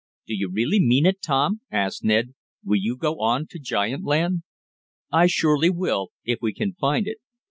"Do you really mean it, Tom?" asked Ned. "Will you go on to giant land?" "I surely will, if we can find it.